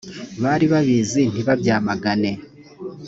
bari babizi ntibabyamagane